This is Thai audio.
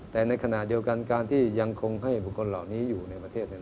แต่ในขณะเดียวกันการที่ยังคงให้บุคคลเหล่านี้อยู่ในประเทศนั้น